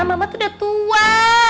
mama tuh udah tua